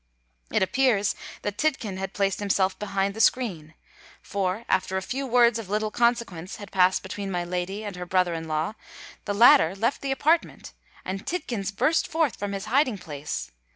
It appears that Tidkins had placed himself behind the screen; for, after a few words of little consequence had passed between my lady and her brother in law, the latter left the apartment—and Tidkins burst forth from his hiding place!